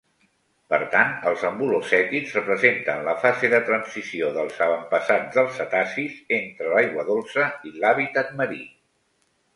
Per tant, els ambulocètids representen la fase de transició dels avantpassats dels cetacis entre l'aigua dolça i l'hàbitat marí.